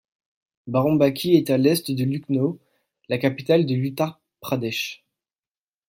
Baranbaki est à à l'Est de Lucknow, la capitale de l'Uttar Pradesh.